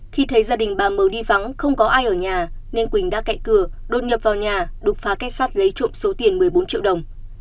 khi thấy gia đình bà m đi vắng không có ai ở nhà nên quỳnh đã cậy cửa đốt nhập vào nhà đục phá cách sát lấy trộm số tiền một mươi bốn triệu đồng